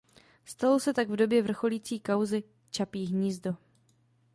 Stalo se tak v době vrcholící kauzy Čapí hnízdo.